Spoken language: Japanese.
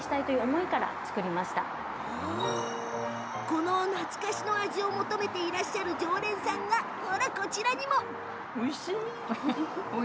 この懐かしの味を求めていらっしゃる常連さんが、こちらにも。